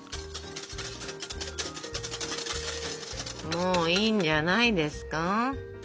もういいんじゃないですか？